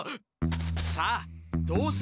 さあどうする？